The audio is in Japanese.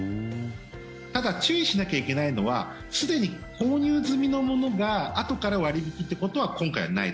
ただ、注意しなきゃいけないのはすでに購入済みのものがあとから割引ということは今回はない。